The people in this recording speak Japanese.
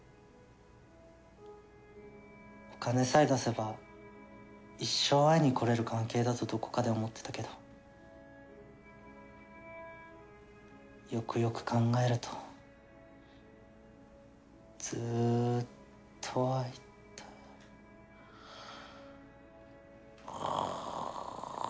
お金さえ出せば一生会いにこられる関係だとどこかで思ってたけどよくよく考えるとずっと会いたい。